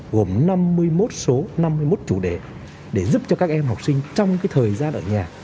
gồm năm mươi một số năm mươi một chủ đề để giúp cho các em học sinh trong thời gian ở nhà